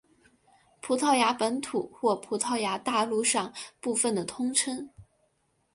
葡萄牙本土或葡萄牙大陆上部分的通称。